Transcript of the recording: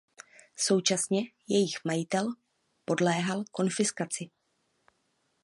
Současně jejich majetek podléhal konfiskaci.